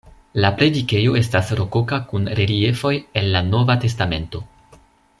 La predikejo estas rokoka kun reliefoj el la Nova Testamento.